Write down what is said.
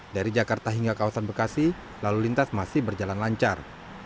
dari jakarta hingga kawasan bekasi lalu lintas masih berjalan lancar